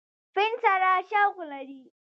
فن سره شوق لري ۔